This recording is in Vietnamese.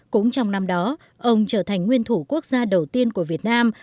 cũng trong năm đó ông trở thành nguyên thủ quốc gia đầu tiên của việt nam